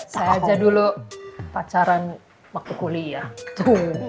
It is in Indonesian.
saya aja dulu pacaran waktu kuliah